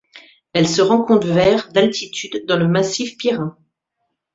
Elle se rencontre vers d'altitude dans le massif Pirin.